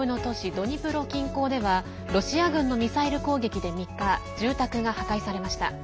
ドニプロ近郊ではロシア軍のミサイル攻撃で３日住宅が破壊されました。